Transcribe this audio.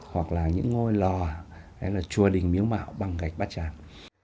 hoặc là những ngôi lò chùa đình miếu mạo bằng gạch bát tràng